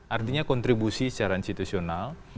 artinya kontribusi secara institusional